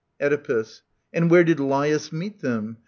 Oedipus. And where did Laius meet them